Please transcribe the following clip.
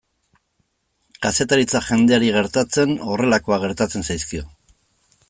Kazetaritza jendeari gertatzen horrelakoak gertatzen zaizkio.